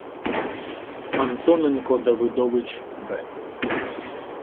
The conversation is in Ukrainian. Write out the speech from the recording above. Антоненко-Давидович Б.